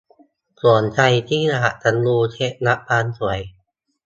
ส่วนใครที่อยากจะรู้เคล็ดลับความสวย